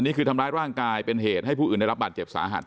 นี่คือทำร้ายร่างกายเป็นเหตุให้ผู้อื่นได้รับบาดเจ็บสาหัส